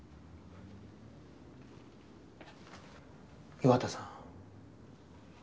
岩田さん。